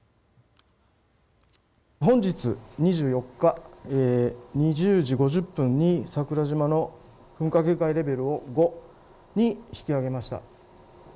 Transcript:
本日２４日、２０時５０分に桜島の噴火警戒レベルを５に引き上げました。